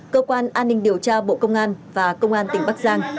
cơ quan an ninh điều tra bộ công an và công an tỉnh bắc giang